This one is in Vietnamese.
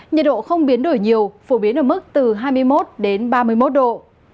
nhiệt độ không biến đổi nhiều phổ biến ở mức từ hai mươi một đến ba mươi một độ